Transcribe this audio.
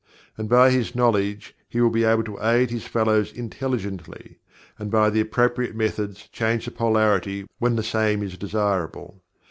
And by his knowledge he will be able to aid his fellows intelligently and by the appropriate methods change the polarity when the same is desirable.